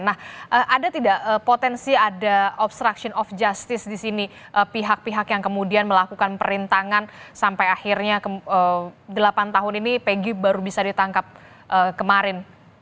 nah ada tidak potensi ada obstruction of justice di sini pihak pihak yang kemudian melakukan perintangan sampai akhirnya delapan tahun ini pg baru bisa ditangkap kemarin